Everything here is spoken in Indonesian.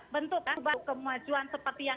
bentuk kemajuan seperti yang